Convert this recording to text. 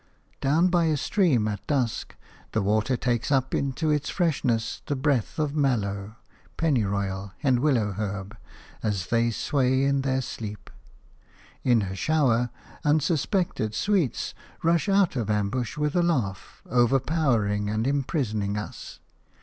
Down by a stream at dusk the water takes up into its freshness the breath of mallow, pennyroyal and willow herb as they sway in their sleep. In a shower, unsuspected sweets rush out of ambush with a laugh, overpowering and imprisoning us.